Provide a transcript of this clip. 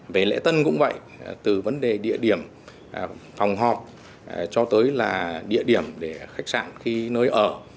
về lễ tân cũng vậy từ vấn đề địa điểm phòng họp cho tới địa điểm để khách sạn khi nơi ở